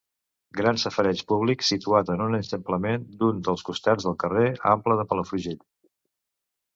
Gran safareig públic situat en un eixamplament d'un dels costats del carrer Ample de Palafrugell.